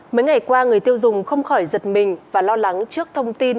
mấy ngày qua người tiêu dùng không khỏi giật mình và lo lắng trước thông tin